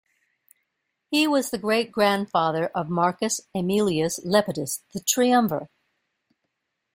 He was the great-grandfather of Marcus Aemilius Lepidus the Triumvir.